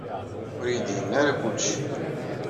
Ur yi-d-yenna ara kullec.